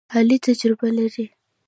علي تجربه لري.